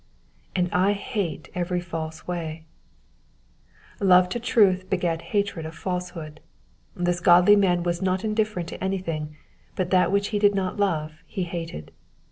^^And I hate every false way,'^^ Love to truth begat hatred of falsehood. This godly man was not indifferent to anything, but that which he did not love he hated.